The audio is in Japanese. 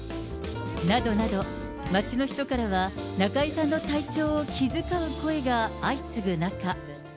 などなど、街の人からは、中居さんの体調を気遣う声が相次ぐ中。